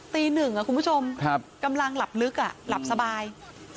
ตีหนึ่งคุณผู้ชมกำลังหลับลึกหลับสบาย